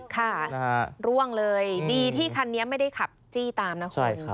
ค่ะร่วงเลยดีที่คันนี้ไม่ได้ขับจี้ตามนะคุณ